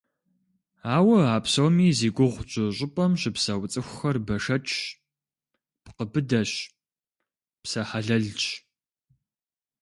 Ауэ а псоми зи гугъу тщӏы щӏыпӏэм щыпсэу цӏыхухэр бэшэчщ, пкъы быдэщ, псэ хьэлэлщ.